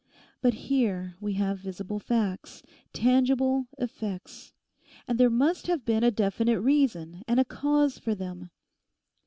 But here we have visible facts, tangible effects, and there must have been a definite reason and a cause for them.